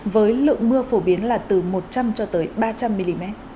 với lượng mưa phổ biến là từ một trăm linh cho tới ba trăm linh mm